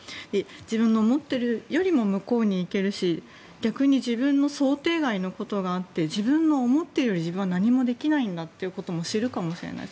自分の思っているよりも向こうに行けるし逆に自分の想定外のことがあって自分が思っているよりも自分は何もできないんだということを知るかもしれない。